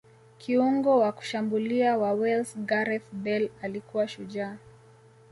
kiungo wa kushambulia wa Wales gareth bale alikuwa shujaa